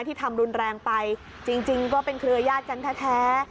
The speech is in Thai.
ที่ทำรุนแรงไปจริงก็เป็นเครือญาติกันแท้